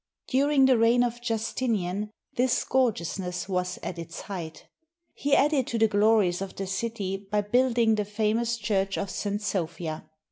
Dur ing the reign of Justinian, this gorgeousness was at its height. He added to the glories of the city by building the famous church of St. Sophia.